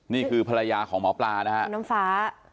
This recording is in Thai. นี่คือภรรยาของหมอปลานะฮะคุณน้ำฟ้า